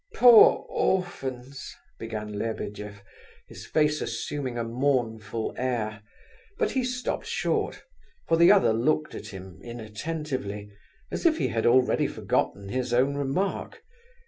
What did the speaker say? "Poor orphans," began Lebedeff, his face assuming a mournful air, but he stopped short, for the other looked at him inattentively, as if he had already forgotten his own remark.